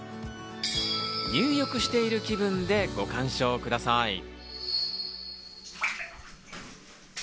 入浴している気分でご鑑賞ください。